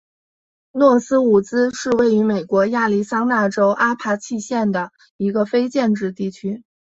诺斯伍兹是位于美国亚利桑那州阿帕契县的一个非建制地区。